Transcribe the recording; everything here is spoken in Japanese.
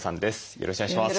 よろしくお願いします。